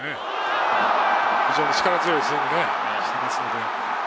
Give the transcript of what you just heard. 非常に力強いスイングをしていますね。